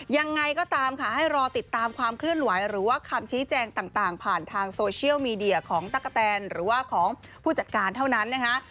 ยังไงก็ตามค่ะให้รอติดตามความเคลื่อนไหวหรือว่าคำชี้แจงต่างผ่านทางโซเชียลมีเดียของตะกะแตนหรือว่าของผู้จัดการเท่านั้นนะคะ